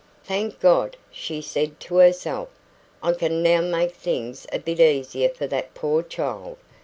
"Thank God," she said to herself, "I can now make things a bit easier for that poor child.